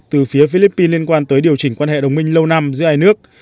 từ phía philippines liên quan tới điều chỉnh quan hệ đồng minh lâu năm giữa hai nước